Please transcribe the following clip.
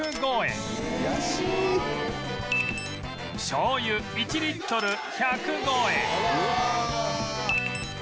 しょうゆ１リットル１０５円